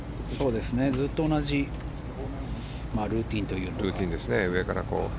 ずっと同じルーティンというか。